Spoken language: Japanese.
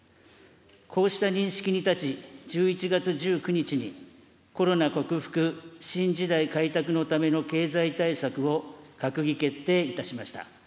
こうした認識に立ち、１１月１９日に、コロナ克服・新時代開拓のための経済対策を閣議決定いたしました。